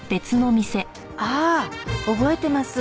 ああ覚えてます。